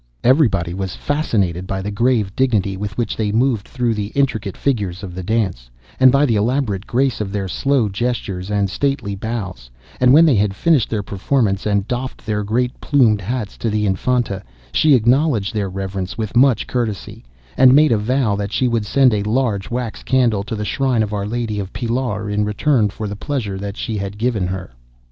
Everybody was fascinated by the grave dignity with which they moved through the intricate figures of the dance, and by the elaborate grace of their slow gestures, and stately bows, and when they had finished their performance and doffed their great plumed hats to the Infanta, she acknowledged their reverence with much courtesy, and made a vow that she would send a large wax candle to the shrine of Our Lady of Pilar in return for the pleasure that she had given her.